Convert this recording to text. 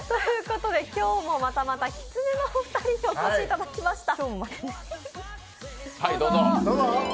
今日もまたまた、きつねのお二人にお越しいただきました。